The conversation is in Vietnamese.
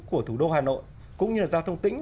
của thủ đô hà nội cũng như là giao thông tỉnh